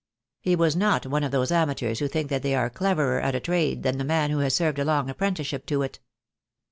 He was not one of those amateurs who think that they are cleverer at a trade than the man who has served a long apprenticeship to it.